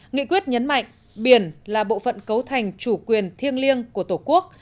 nghị quyết nhấn mạnh biển là bộ phận cấu thành chủ quyền thiêng liêng của tổ quốc